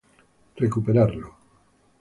recuperarlo